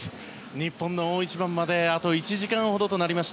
日本の大一番まであと１時間ほどとなりました。